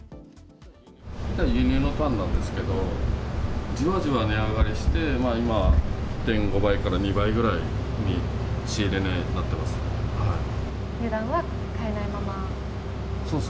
輸入のタンなんですけど、じわじわ値上がりして、今１．５倍から２倍ぐらいに仕入れ値、なってます。